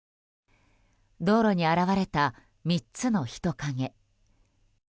道路に現れた３つの人影。